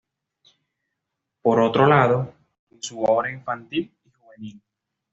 Por otro lado, en su obra infantil y juvenil.